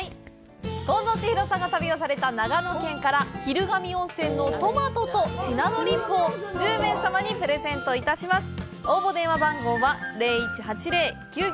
近藤千尋さんが旅をされた長野県から昼神温泉のトマトとシナノリップを１０名様にプレゼントします。